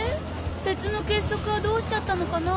鉄の結束はどうしちゃったのかなぁ？